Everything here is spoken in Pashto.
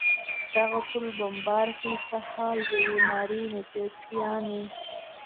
دغه پل بمبار کړي، څه حال به وي؟ نارې مې کړې: پیاني.